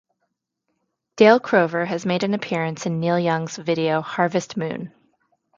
Dale Crover has made an appearance in Neil Young's video "Harvest Moon".